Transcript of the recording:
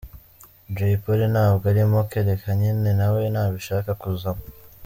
Jay Polly ntabwo arimo kereka nyine nawe nabishaka kuzamo”.